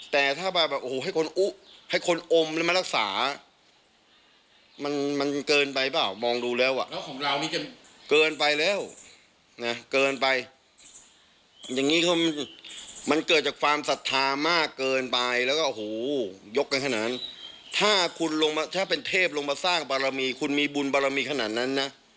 ถ้าคุณลงมาถ้าเป็นเทพลงมาสร้างบารมีคุณมีบุญบารมีขนาดนั้นนะ